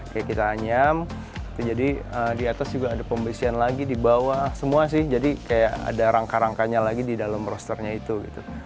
kayak kita anyam jadi di atas juga ada pembersihan lagi di bawah semua sih jadi kayak ada rangka rangkanya lagi di dalam rosternya itu gitu